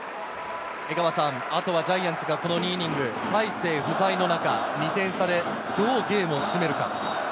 あとはジャイアンツが大勢不在の中、２点差でどうゲームを締めるか。